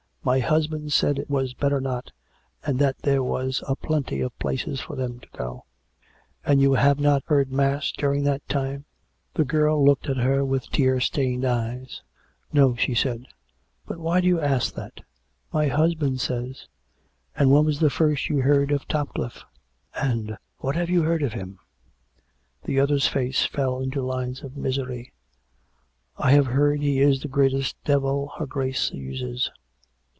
My husband said it was better not, and that there was a plenty of places for them to go to." " And you have not heard mass during that time ?" The girl looked at her with tear stained eyes. COME RACK! COME ROPE! 227 " No," she said. " But why do you ask that? My hus band says " "And when was the first you heard of Topcliffe? And what have you heard of him ?" The other's face fell into lines of misery. " I have heard he is the greatest devil her Grace uses.